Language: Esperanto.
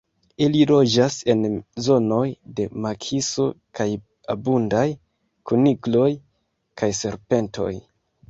Ili loĝas en zonoj de makiso kaj abundaj kunikloj kaj serpentoj.